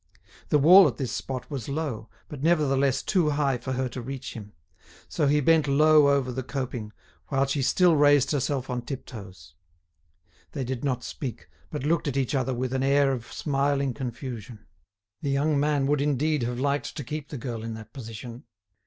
The wall at this spot was low, but nevertheless too high for her to reach him. So he bent low over the coping, while she still raised herself on tiptoes. They did not speak, but looked at each other with an air of smiling confusion. The young man would indeed have liked to keep the girl in that position.